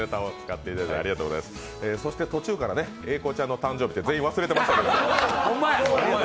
途中から英孝ちゃんの誕生日って忘れていましたけど。